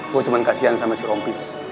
gue cuma kasian sama si rompis